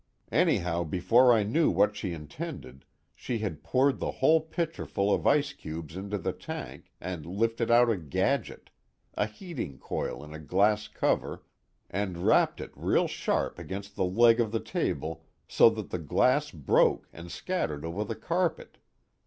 Anyhow before I knew what she intended she had poured the whole pitcher full of ice cubes into the tank, and lifted out a gadget a heating coil in a glass cover and rapped it real sharp against the leg of the table so that the glass broke and scattered over the carpet.